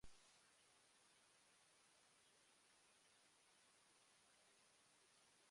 Further up Jefferson Avenue is the entrance to its campsite.